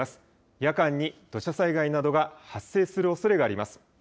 夜間に土砂災害などが発生するおそれがあります。